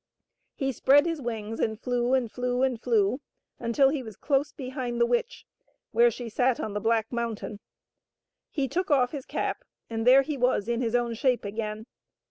He spread his wings and flew and flew and flew, until he was close behind the witch where she sat on the black mountain. He took off his cap and there he was in his own shape again.